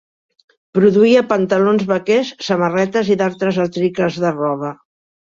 Produïa pantalons vaquers, samarretes, i d'altres articles de roba.